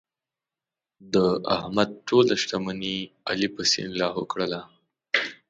د احمد ټوله شتمني علي په سیند لاهو کړله.